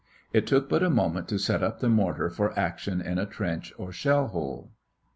It took but a moment to set up the mortar for action in a trench or shell hole.